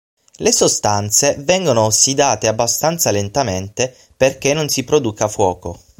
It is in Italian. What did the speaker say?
Le sostanze vengono ossidate abbastanza lentamente perché non si produca fuoco.